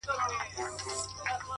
o دادی حالاتو سره جنگ کوم لگيا يمه زه،